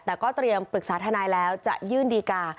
แต่ก็เตรียมปรึกษาทนายแล้วจะยื่นดีกา